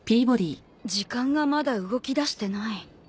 時間がまだ動きだしてない。